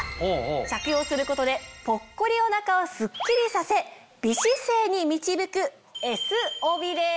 着用することでぽっこりお腹をスッキリさせ美姿勢に導くＳ帯です。